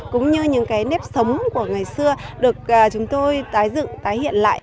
cũng như những cái nếp sống của ngày xưa được chúng tôi tái dựng tái hiện lại